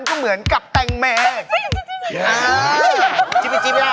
จริงจังที่การจิบจิบ